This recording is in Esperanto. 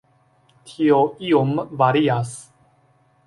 Tio iom varias.